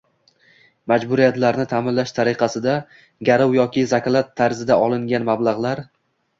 Majburiyatlarni ta’minlash tariqasida garov yoki zakalat tarzida olingan mablag‘lar